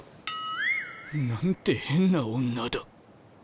なんて変な女だ。